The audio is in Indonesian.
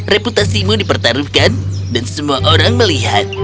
reputasimu dipertaruhkan dan semua orang melihat